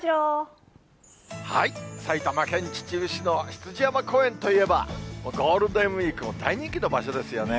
埼玉県秩父市の羊山公園といえば、ゴールデンウィーク大人気の場所ですよね。